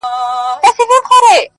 په ما ډکي خزانې دي لوی بانکونه،